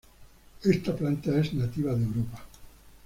Esta planta es nativa de Europa.